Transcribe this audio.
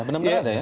benar benar ada ya